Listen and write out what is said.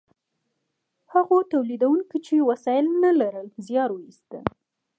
هغو تولیدونکو چې وسایل نه لرل زیار ویسته.